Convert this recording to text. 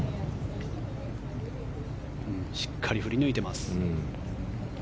しっかり振り抜いています。